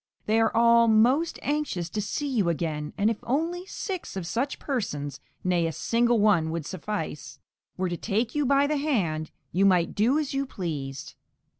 They are all most anxious to see you again, and if only six of such persons (nay, a single one would suffice) were to take you by the hand, you might do as you pleased.